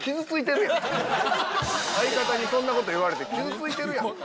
相方にそんなこと言われて傷ついてるやん！